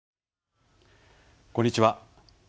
こんにちは。